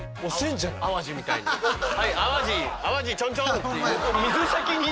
淡路みたいに。